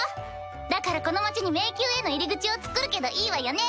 だからこの町に迷宮への入り口を作るけどいいわよね？